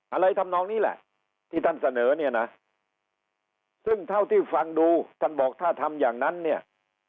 ทำนองนี้แหละที่ท่านเสนอเนี่ยนะซึ่งเท่าที่ฟังดูท่านบอกถ้าทำอย่างนั้นเนี่ย